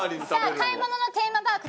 買い物のテーマパーク